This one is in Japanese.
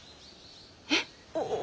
えっ。